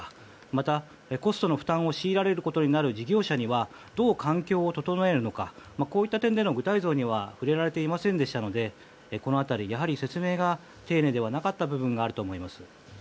また、コストの負担を強いられることになる事業者にはどう環境を整えるのかといった点では、具体像に触れられていませんでしたのでこの辺り、やはり説明が丁寧ではなかった部分があると思います。